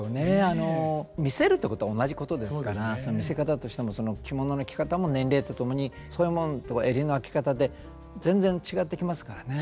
あの見せるっていうことは同じことですから見せ方としてもその着物の着方も年齢とともに襟の開け方で全然違ってきますからね。